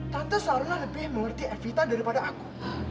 tante selalu lebih mengerti evita daripada aku